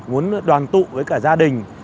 muốn đoàn tụ với cả gia đình